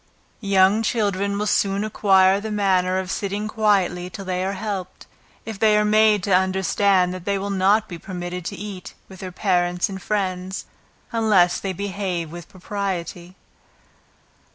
Young children will soon acquire the manner of sitting quietly till they are helped, if they are made to understand that they will not be permitted to eat with their parents and friends, unless they behave with propriety.